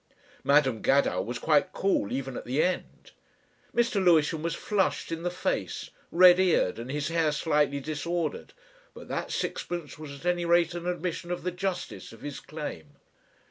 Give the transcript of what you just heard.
Madam Gadow was quite cool even at the end. Mr. Lewisham was flushed in the face, red eared, and his hair slightly disordered, but that sixpence was at any rate an admission of the justice of his claim.